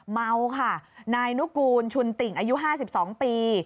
เมาค่ะนายนุกูลชุนติ่งอายุ๕๒ปี